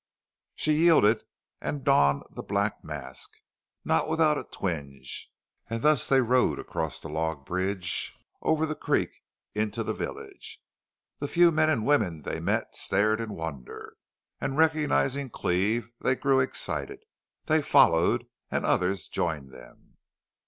She yielded, and donned the black mask, not without a twinge. And thus they rode across the log bridge over the creek into the village. The few men and women they met stared in wonder, and, recognizing Cleve, they grew excited. They followed, and others joined them.